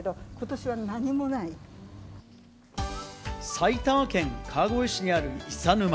埼玉県川越市にある伊佐沼。